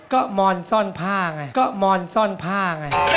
ก็มอนซ่อนผ้าไง